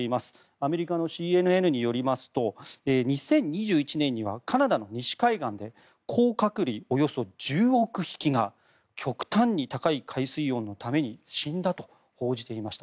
アメリカのＣＮＮによりますと２０２１年にはカナダの西海岸で甲殻類およそ１０億匹が極端に高い海水温のために死んだと報じていました。